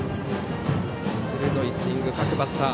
鋭いスイング、各バッター。